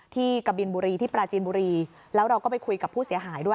กะบินบุรีที่ปราจีนบุรีแล้วเราก็ไปคุยกับผู้เสียหายด้วย